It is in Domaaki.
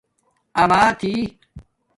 اماتھی